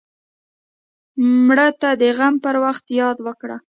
مړه ته د غم پر وخت یاد وکړه